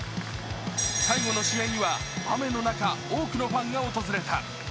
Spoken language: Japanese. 最後の試合には雨の中、多くのファンが訪れた。